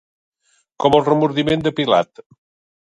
Com el remordiment de Pilat.